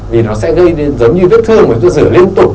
vì nó sẽ gây đến giống như vết thương mà chúng ta rửa liên tục